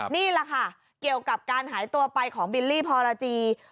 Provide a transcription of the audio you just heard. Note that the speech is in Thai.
นี่แหละค่ะเกี่ยวกับการหายตัวไปของบิลลี่พรจี